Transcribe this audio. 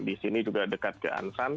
di sini juga dekat ke ansan